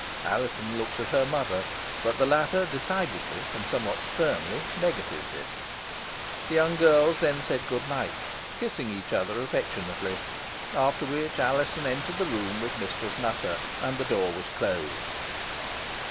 Alizon looked at her mother, but the latter decidedly, and somewhat sternly, negatived it. The young girls then said good night, kissing each other affectionately, after which Alizon entered the room with Mistress Nutter, and the door was closed.